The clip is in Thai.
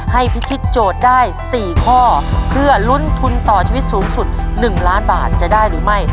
พิชิตโจทย์ได้๔ข้อเพื่อลุ้นทุนต่อชีวิตสูงสุด๑ล้านบาทจะได้หรือไม่